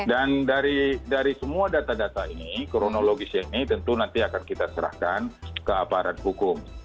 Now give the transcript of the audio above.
dan dari semua data data ini kronologisnya ini tentu nanti akan kita serahkan ke aparat hukum